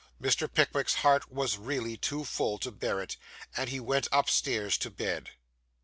Mr. Pickwick's heart was really too full to bear it, and he went upstairs to bed.